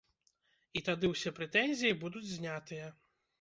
І тады ўсе прэтэнзіі будуць знятыя.